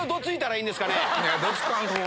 どつかんとこう。